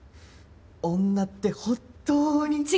女って本当に。